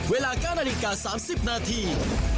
เวลา๙นาฬิกา๓๐นาที